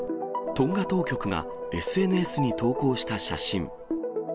トンガ当局がＳＮＳに投稿した写真。